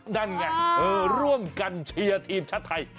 นั่นไงร่วมกันเชียร์ทีมชาติไทย